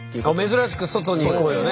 珍しく「外に行こうよ」ね。